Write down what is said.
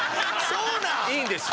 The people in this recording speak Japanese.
そうなん！？